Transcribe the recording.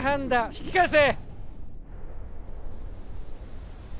引き返せ